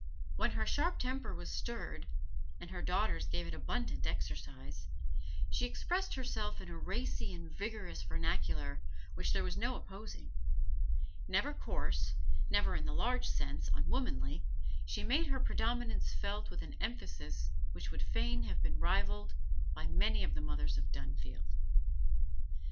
When her sharp temper was stirred and her daughters gave it abundant exercise she expressed herself in a racy and vigorous vernacular which there was no opposing; never coarse, never, in the large sense, unwomanly, she made her predominance felt with an emphasis which would fain have been rivalled by many of the mothers of Dunfield.